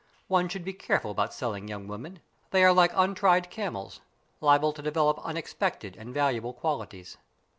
One should be careful about selling young women. They are like untried camels liable to develop unexpected and valuable qualities.